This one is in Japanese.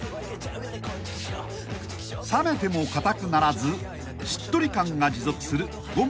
［冷めてもかたくならずしっとり感が持続する権